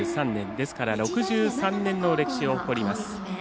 ですから６３年の歴史を誇ります。